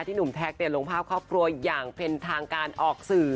ที่หนุ่มแท็กต์เปลี่ยนลงภาพครอบครัวอย่างเป็นทางการออกสื่อ